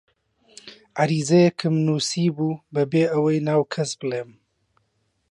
عەریزەیەکم نووسیبوو بەبێ ئەوە ناو کەس بڵێم: